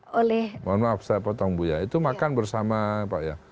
mohon maaf saya potong bu ya itu makan bersama pak ya